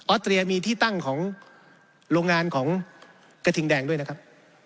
เตรียมีที่ตั้งของโรงงานของกระทิงแดงด้วยนะครับ